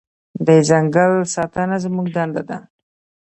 د ځنګل ساتنه زموږ دنده ده.